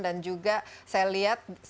dan juga saya lihat